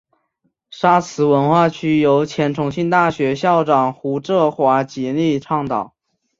沙磁文化区由前重庆大学校长胡庶华极力倡导。